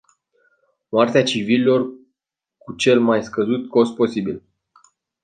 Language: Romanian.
Moartea civililor cu cel mai scăzut cost posibil.